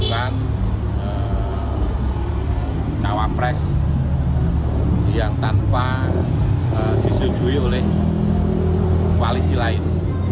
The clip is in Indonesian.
tidak ada yang menawar pres yang tanpa disetujui oleh koalisi lain